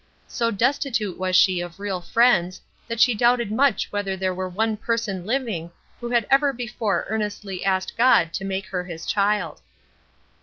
So destitute was she of real friends that she doubted much whether there were one person living who had ever before earnestly asked God to make her his child.